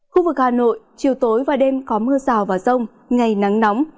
khu vực hà nội chiều tối và đêm có mưa rào và rông ngày nắng nóng